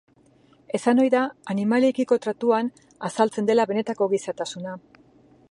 Esan ohi da animaliekiko tratuan azaltzen dela benetako gizatasuna.